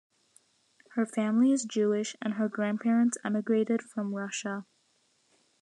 Her family is Jewish, and her grandparents emigrated from Russia.